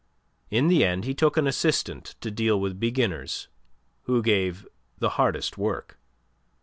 In the end he took an assistant to deal with beginners, who gave the hardest work.